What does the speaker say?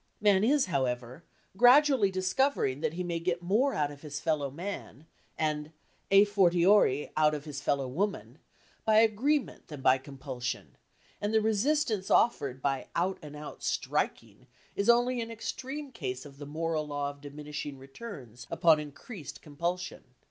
Man is, however, gradually discovering that he may get more out of his fellow man (and à fortiori out of his fellow woman) by agreement than by compulsion, and the resistance offered by out and out striking is only an extreme case of the moral law of diminishing returns upon increased compulsion.